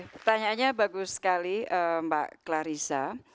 pertanyaannya bagus sekali mbak clarissa